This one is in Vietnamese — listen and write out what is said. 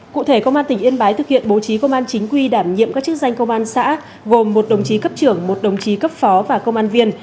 cụ thể công an tỉnh yên bái thực hiện bố trí công an chính quy đảm nhiệm các chức danh công an xã gồm một đồng chí cấp trưởng một đồng chí cấp phó và công an viên